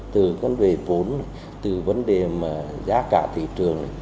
từ vấn đề vốn từ vấn đề giá cả thị trường